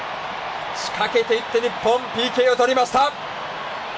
仕掛けていって日本、ＰＫを取りました。